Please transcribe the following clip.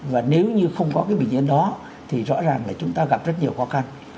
và nếu như không có cái biểu diễn đó thì rõ ràng là chúng ta gặp rất nhiều khó khăn